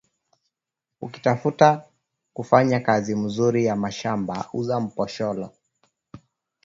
Ukitafuta kufanya kaji muzuri ya mashamba uza mposholo